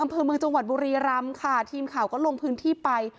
อำเภอเมืองจังหวัดบุรีรำค่ะทีมข่าวก็ลงพื้นที่ไป